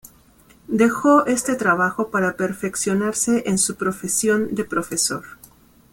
Dejó este trabajo para perfeccionarse en su profesión de profesor.